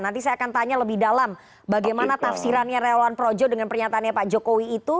nanti saya akan tanya lebih dalam bagaimana tafsirannya relawan projo dengan pernyataannya pak jokowi itu